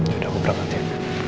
ya udah aku berangkat ya